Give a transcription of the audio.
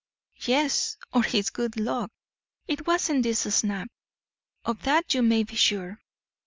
"Yes, or his good luck. It wasn't his snap; of that you may be sure.